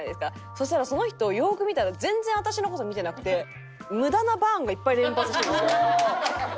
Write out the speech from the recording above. そしたらその人よく見たら全然私の事見てなくて無駄な「バーン」がいっぱい連発してるんですよ。